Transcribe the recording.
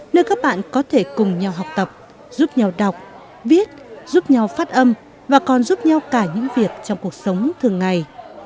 nơi các bạn có thể cùng nhau học tập giúp nhau đọc viết giúp nhau phát âm và còn giúp nhau cả những việc trong cuộc sống thường ngày